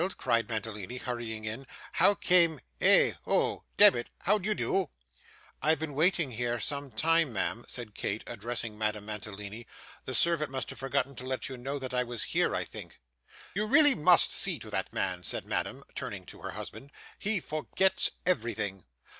cried Mantalini, hurrying in. 'How came eh! oh demmit, how d'ye do?' 'I have been waiting, here some time, ma'am,' said Kate, addressing Madame Mantalini. 'The servant must have forgotten to let you know that I was here, I think.' 'You really must see to that man,' said Madame, turning to her husband. 'He forgets everything.